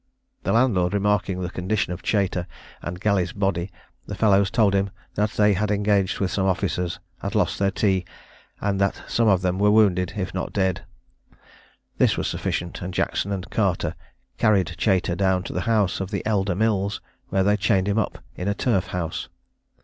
The landlord remarking the condition of Chater, and Galley's body, the fellows told him that they had engaged with some officers, had lost their tea, and that some of them were wounded, if not dead. This was sufficient, and Jackson and Carter carried Chater down to the house of the elder Mills, where they chained him up in a turf house.